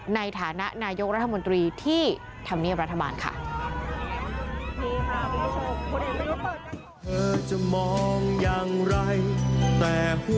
ในฐานะนายกรัฐมนตรีที่ธรรมเนียบรัฐบาลค่ะ